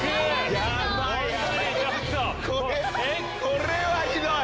これはひどい！